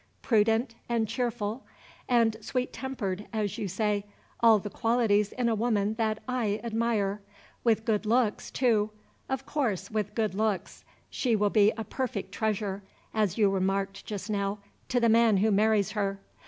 Prudent, and cheerful, and sweet tempered, as you say all the qualities in a woman that I admire. With good looks, too of course, with good looks. She will be a perfect treasure (as you remarked just now) to the man who marries her.